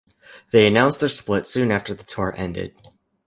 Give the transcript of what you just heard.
They announced their split soon after the tour ended.